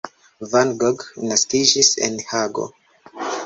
Van Gogh naskiĝis en Hago.